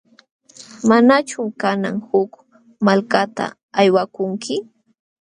¿Manachum kanan huk malkata aywakunki?